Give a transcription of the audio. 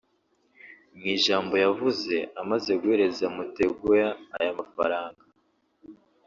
Mu ijambo yavuze amaze guhereza Mutegoa aya mafaranga